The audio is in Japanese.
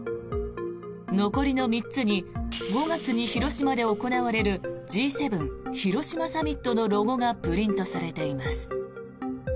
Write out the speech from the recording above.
残りの３つに５月に広島で行われるＧ７広島サミットのロゴがプリントされています。